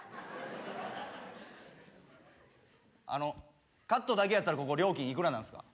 あのカットだけやったらここ料金幾らなんすか？